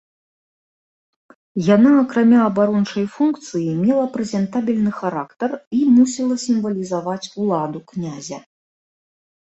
Яна акрамя абарончай функцыі мела прэзентабельны характар і мусіла сімвалізаваць уладу князя.